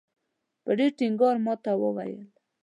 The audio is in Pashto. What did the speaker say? په ډېر ټینګار ماته وویل.